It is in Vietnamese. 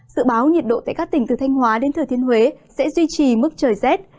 dự báo nhiệt độ tại các tỉnh từ thanh hóa đến thừa thiên huế sẽ duy trì mức trời rét